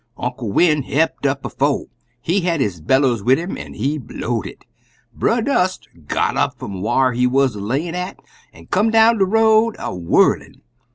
Uncle Win' hep'd um bofe; he had his bellows wid 'im, an' he blow'd it! Brer Dust got up fum whar he wuz a layin' at, an' come down de road des a whirlin'.